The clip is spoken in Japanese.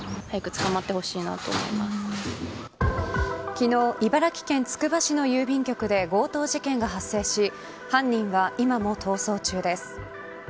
昨日、茨城県つくば市の郵便局で強盗事件が発生し犯人は今も逃走中です。